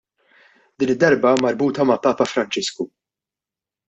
Din id-darba marbuta ma' Papa Franġisku.